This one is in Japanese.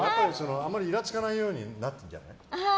あんまイラつかないようになってるんじゃない？